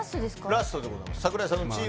ラストでございます